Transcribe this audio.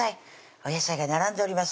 お野菜が並んでおります